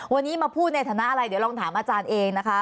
วันนี้มาพูดในฐานะอะไรเดี๋ยวลองถามอาจารย์เองนะคะ